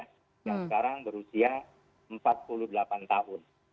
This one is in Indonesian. yang sekarang berusia empat puluh delapan tahun